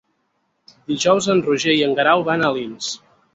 Dijous en Roger i en Guerau van a Alins.